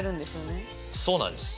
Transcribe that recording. そうなんです。